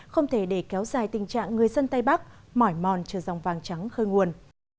không thể để kéo dài tình trạng người dân tây bắc mỏi mòn cho dòng vàng trắng khơi nguồn